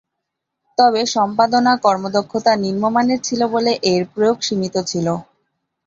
তবে সম্পাদনা কর্মদক্ষতা নিম্নমানের ছিল বলে এর প্রয়োগ সীমিত ছিল।